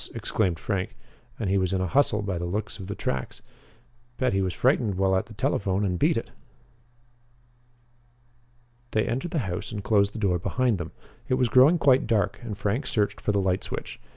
exclaimed Frank. "And he was in a hustle, by the looks of the tracks. Bet he was frightened while at the telephone and beat it." They entered the house and closed the door behind them. It was growing quite dark and Frank searched for the light switch.